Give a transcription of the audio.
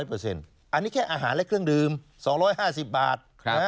อันนี้แค่อาหารและเครื่องดื่ม๒๕๐บาท